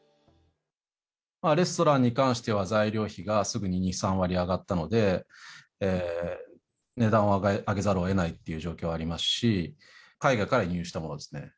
レストランに関しては材料費がすぐに２、３割上がったので、値段を上げざるをえないという状況はありますし、海外から輸入したものですね。